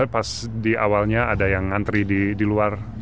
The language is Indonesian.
pas di awalnya ada yang ngantri di luar